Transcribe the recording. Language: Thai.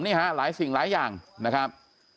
นี่ฮะหลายสิ่งหลายอย่างนะครับ